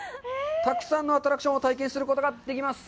たくさんのアトラクションを体験することができます。